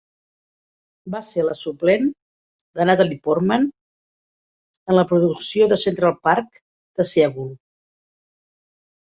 Va ser la suplent de Natalie Portman en la producció de Central Park "The Seagull".